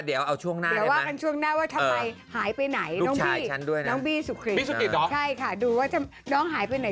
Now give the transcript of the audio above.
เด็กจริงนะฮะเด็กจริงนะฮะ